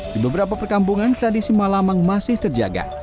di beberapa perkampungan tradisi malamang masih terjaga